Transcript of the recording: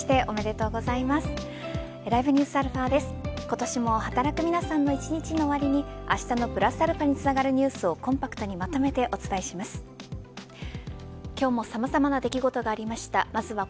今年も働く皆さんの一日の終わりにあしたのプラスαにつながるニュースをコンパクトにまとめてお伝えします。